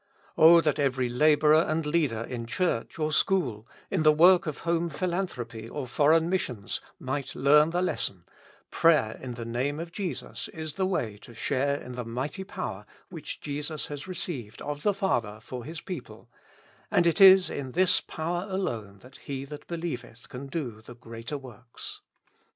O that every laborer and leader in church, or school, in the work of home philanthropy or foreign missions, might learn the lesson : Prayer in the name of Jesus is the way to share in the mighty power which Jesus has received of the Father for His people, and it is in this power alone that he that believeth can do the greater works.